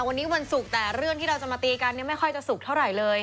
วันนี้วันศุกร์แต่เรื่องที่เราจะมาตีกันเนี่ยไม่ค่อยจะสุกเท่าไหร่เลย